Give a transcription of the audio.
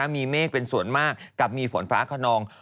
มีเมฆเป็นส่วนมากกับมีฝนฟ้าขนอง